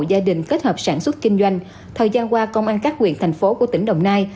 gia đình kết hợp sản xuất kinh doanh thời gian qua công an các nguyện thành phố của tỉnh đồng nai